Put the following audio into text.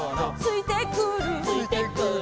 「ついてくる」